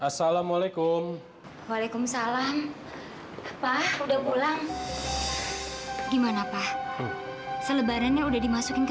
hai assalamualaikum waalaikumsalam pak udah pulang gimana pak selebarannya udah dimasukin ke